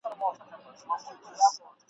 توپان نه وو اسماني توره بلا وه ..